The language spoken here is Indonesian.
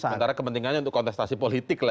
sementara kepentingannya untuk kontestasi politik lah